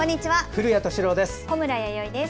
古谷敏郎です。